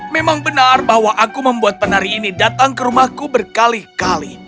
memang benar bahwa aku membuat penari ini datang ke rumahku berkali kali